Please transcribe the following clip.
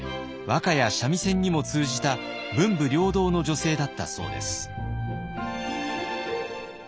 和歌や三味線にも通じた文武両道の女性だったそうです。